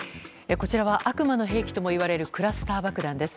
こちらは、悪魔の兵器ともいわれるクラスター爆弾です。